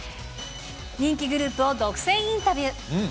人気グループを独占インタビュー。